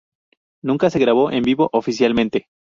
Nunca se grabó en vivo oficialmente.